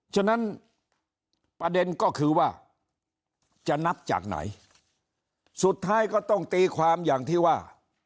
ฉะนั้นประเด็นก็คือว่าจะนับจากไหนสุดท้ายก็ต้องตีความอย่างที่ว่า